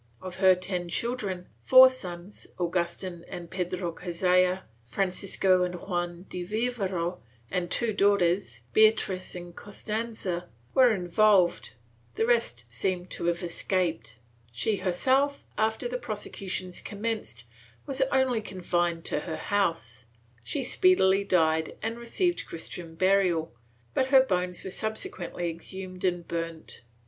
Of her ten children, four sons, Agustin and Pedro Cazalla, Francisco and Juan de Vivero, and two daughters, Beatriz and Costanza, were involved ; the rest seem to have escaped. She her self, after the prosecutions commenced, was only confined to her house; she speedily died and received Christian burial, but her bones were subsequently exhumed and burnt.